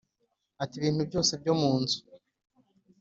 Ati ibintu byose byo mu nzu